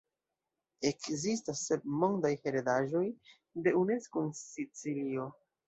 Ekzistas sep mondaj heredaĵoj de Unesko en Sicilio.